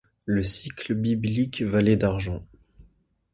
Le sicle biblique valait d’argent.